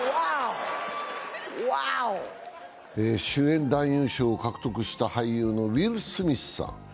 主演男優賞を獲得した俳優のウィル・スミスさん。